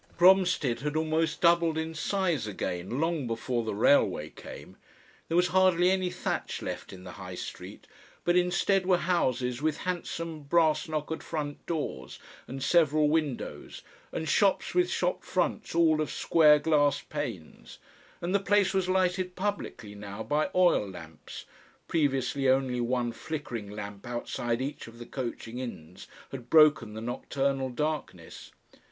Bromstead had almost doubted in size again long before the railway came; there was hardly any thatch left in the High Street, but instead were houses with handsome brass knockered front doors and several windows, and shops with shop fronts all of square glass panes, and the place was lighted publicly now by oil lamps previously only one flickering lamp outside each of the coaching inns had broken the nocturnal darkness.